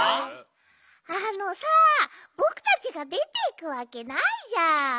あのさぼくたちがでていくわけないじゃん。